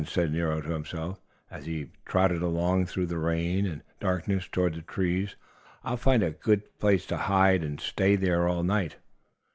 said Nero to himself, as he trotted along through the rain and darkness toward the trees. "I'll find a good place to hide in and stay there all night."